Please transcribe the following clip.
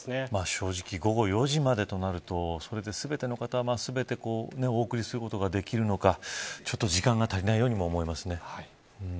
正直、午後４時までとなるとそれで全ての方がお送りすることができるのかちょっと時間が足りないようにも思いますね。